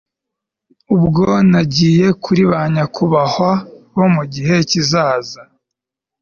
ubwo nagiye kuri ba nyakubahwa bo mu gihe cyizaza